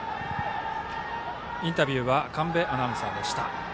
インタビューは神戸アナウンサーでした。